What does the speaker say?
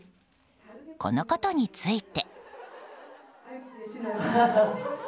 このことについて。